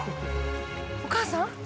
お母さん？